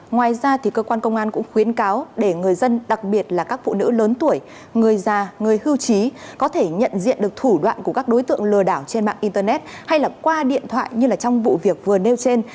ngoài ra cơ quan công an cũng khuyến cáo để người dân đặc biệt là các phụ nữ lớn tuổi người già người hưu trí có thể nhận diện được thủ đoạn của các đối tượng lừa đảo trên mạng internet hay là qua điện thoại như trong vụ việc vừa nêu trên